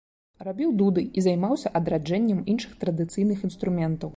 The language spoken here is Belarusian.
Рабіў дуды і займаўся адраджэннем іншых традыцыйных інструментаў.